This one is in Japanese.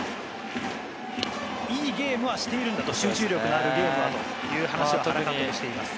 いいゲームはしているんだと、集中力のあるゲームなんだという話をしています。